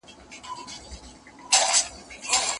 کوم شیان د سر او بدن د پاکولو لپاره اړین دي؟